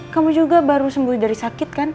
kamu juga baru sembuh dari sakit kan